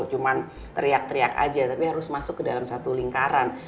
cuma teriak teriak aja tapi harus masuk ke dalam satu lingkaran